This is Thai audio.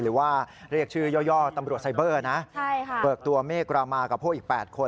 หรือว่าเรียกชื่อย่อย่อตำรวจไซเบอร์เปิดตัวเมฆกรมากับพวกอีก๘คน